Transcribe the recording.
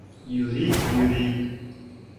— Юрик, Юрик.